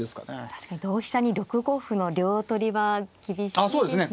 確かに同飛車に６五歩の両取りは厳しいですね。